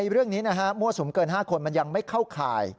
เรื่องนี้มั่วสุมเกิน๕คนมันยังไม่เข้าข่าย